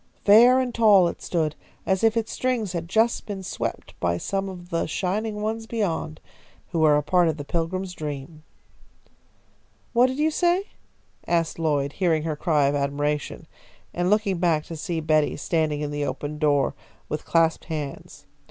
Fair and tall it stood, as if its strings had just been swept by some of the Shining Ones beyond, who were a part of the Pilgrim's dream. "What did you say?" asked Lloyd, hearing her cry of admiration, and looking back to see Betty standing in the open door with clasped hands.